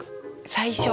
最初？